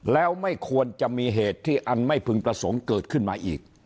แล้วไม่ควรจะมีเหตุที่อันไม่พึงประสงค์เกิดขึ้นมาอีก